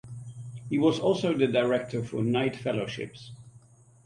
He was also the director for Knight Fellowships.